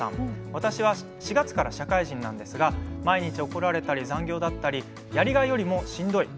私は４月から社会人になったのですが毎日、怒られたり残業だったりやりがいよりも、しんどい。